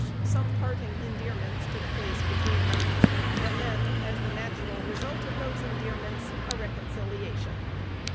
Some parting endearments took place between them, and then, as the natural result of those endearments, a reconciliation.